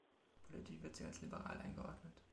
Politisch wird sie als liberal eingeordnet.